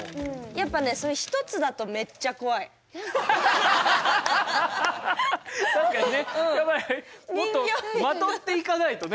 やっぱりもっとまとっていかないとね。